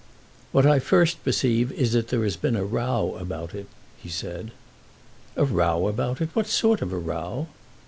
"What I first perceive is that there has been a row about it," he said. "A row about it! What sort of a row?"